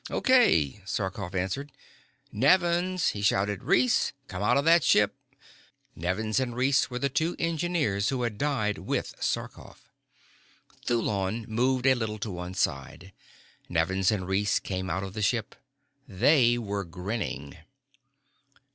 "Okay," Sarkoff answered. "Nevins!" he shouted. "Reese! Come out of that ship." Nevins and Reese were the two engineers who had died with Sarkoff. Thulon moved a little to one side. Nevins and Reese came out of the ship. They were grinning.